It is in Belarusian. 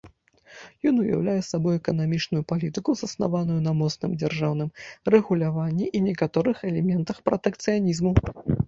Ён уяўляе сабой эканамічную палітыку, заснаваную на моцным дзяржаўным рэгуляванні і некаторых элементах пратэкцыянізму.